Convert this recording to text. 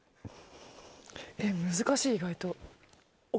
えっ難しい意外と。